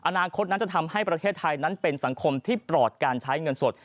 อนาคตนั้นจะทำให้ประเทศไทยนั้นเป็นสังคมที่ปลอดการใช้เงินสด